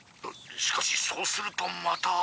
しかしそうするとまた」。